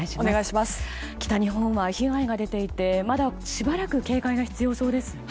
北日本は被害が出ていてまだしばらく警戒が必要そうですね。